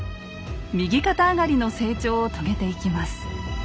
右肩上がりの成長を遂げていきます。